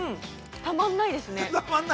たまんないですね。